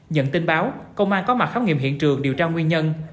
nhận tin báo công an có mặt khám nghiệm hiện trường điều tra nguyên nhân